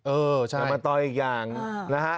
เออใช่มาตอยอีกอย่างนะฮะ